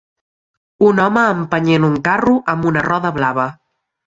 Un home empenyent un carro amb una roda blava.